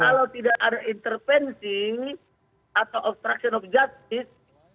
kalau tidak ada intervensi atau obstruction of justice